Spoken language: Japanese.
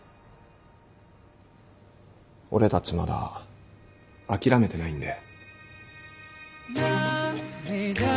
俺たちまだ諦めてないんで。